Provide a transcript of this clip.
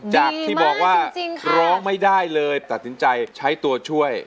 จากที่บอกว่าร้องไม่ได้เลยตัดสินใจใช้ตัวช่วย